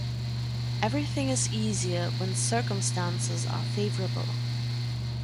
Everything is easier when circumstances are favorable.